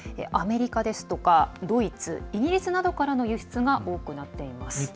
アメリカですとか、ドイツイギリスなどからの輸出が多くなっています。